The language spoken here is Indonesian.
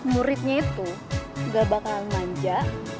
muridnya itu gak bakalan manja